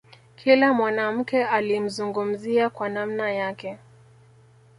Kila mwanamke alimzungumzia kwa namna yake